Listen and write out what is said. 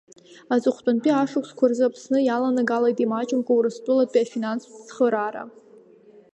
Аҵыхәтәантәи ашықәсқәа рзы Аԥсны иаланагалеит имаҷымкәа урыстәылатәи афинанстә цхыраара.